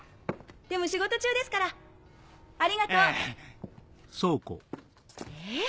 でも仕事中ですからありがとう。え！